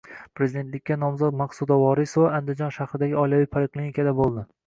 Prezidentlikka nomzod Maqsuda Vorisova Andijon shahridagi oilaviy poliklinikada bo‘ldi